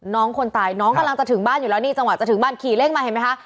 น้องคนตายน้องกำลังจะถึงบ้านอยู่แล้วนี่จังหวะจะถึงบ้านขี่เร่งมาเห็นไหมคะ